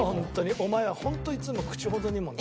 お前はホントいつも口ほどにもない。